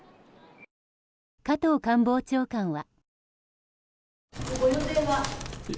加藤官房長官は。